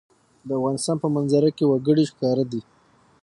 د افغانستان په منظره کې وګړي ښکاره ده.